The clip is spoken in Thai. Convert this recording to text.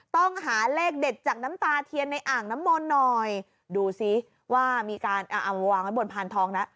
ต้องหาเลขเด็ดจากน้ำตาเทียนในอ่างน้ำมนต์หน่อยดูซิว่ามีการเอามาวางไว้บนพานทองนะ